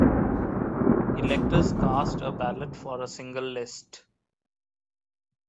Electors cast a ballot for a single list.